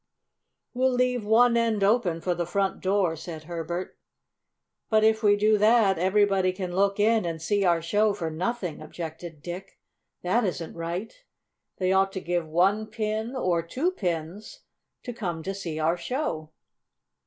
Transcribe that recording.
"We'll leave one end open for the front door," said Herbert. "But if we do that everybody can look in and see our show for nothing," objected Dick. "That isn't right. They ought to give one pin, or two pins, to come to see our show."